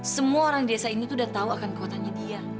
semua orang desa ini tuh udah tahu akan kotanya dia